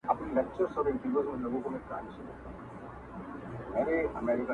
مور د لور خواته ګوري خو مرسته نه سي کولای,